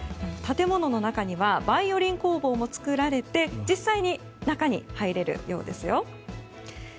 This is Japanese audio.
建物の中にはバイオリン工房も作られて実際に中に入れるようですよ。